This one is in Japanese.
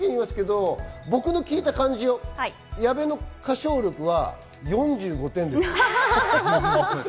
僕の聞いた感じ、矢部の歌唱力は４５点です。